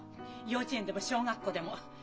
幼稚園でも小学校でも。